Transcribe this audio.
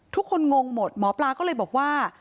งงหมดหมอปลาก็เลยบอกว่า